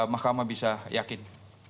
mahkamah bisa yakin